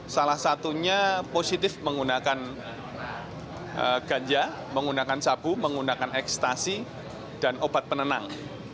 salah satunya positif menggunakan ganja menggunakan sabu menggunakan ekstasi dan obat penenang